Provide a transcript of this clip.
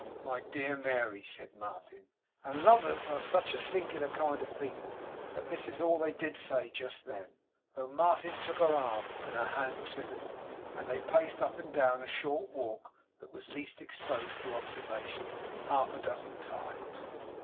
'My dear Mary,' said Martin; and lovers are such a singular kind of people that this is all they did say just then, though Martin took her arm, and her hand too, and they paced up and down a short walk that was least exposed to observation, half a dozen times.